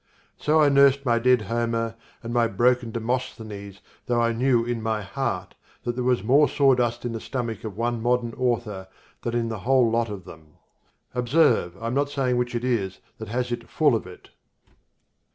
So I nursed my dead Homer and my broken Demosthenes though I knew in my heart that there was more sawdust in the stomach of one modern author than in the whole lot of them. Observe, I am not saying which it is that has it full of it.